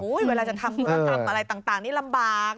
เวลาจะทำธุรกรรมอะไรต่างนี่ลำบาก